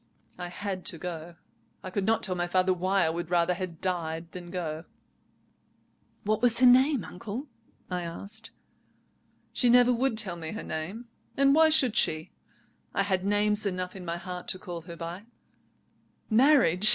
I had to go. I could not tell my father why I would rather had died than go." "What was her name, uncle?" I asked. "She never would tell me her name, and why should she? I had names enough in my heart to call her by. Marriage?